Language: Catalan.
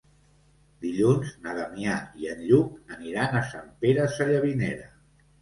Dilluns na Damià i en Lluc aniran a Sant Pere Sallavinera.